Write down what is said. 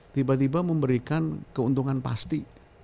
tiba tiba memberikan keuntungan pasti